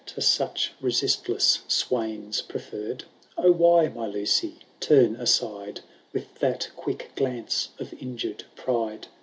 To Buch renstlen iwaiiit preferred ?— O why, my Lucy, turn aaide. With that quick glance of injuied pride